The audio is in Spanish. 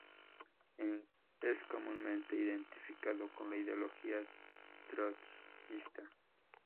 Es comúnmente identificado con la ideología trotskista.